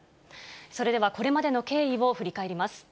それではこれまでの経緯を振り返ります。